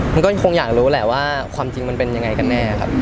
มันก็คงอยากรู้แหละว่าความจริงมันเป็นยังไงกันแน่ครับ